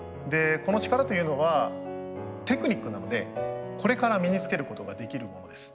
この力というのはテクニックなのでこれから身につけることができるものです。